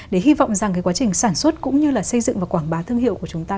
để hy vọng rằng quá trình sản xuất cũng như là xây dựng và quảng bá thương hiệu của chúng ta